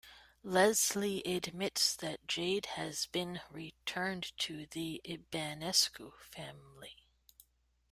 Leslie admits that Jade has been returned to the Ibanescu family.